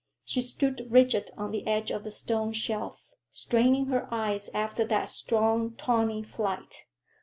She stood rigid on the edge of the stone shelf, straining her eyes after that strong, tawny flight.